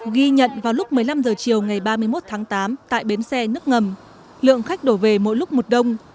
ghi nhận vào lúc một mươi năm h chiều ngày ba mươi một tháng tám tại bến xe nước ngầm lượng khách đổ về mỗi lúc một đông